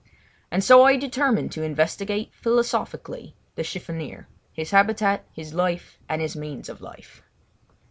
And so I determined to investigate philosophically the chiffonier—his habitat, his life, and his means of life.